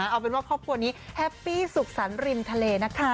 เอาเป็นว่าครอบครัวนี้แฮปปี้สุขสรรค์ริมทะเลนะคะ